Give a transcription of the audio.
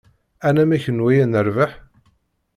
Anamek n waya nerbeḥ?